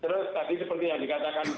terus tadi seperti yang dikatakan